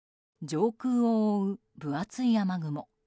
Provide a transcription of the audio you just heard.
上空を覆う分厚い雨雲。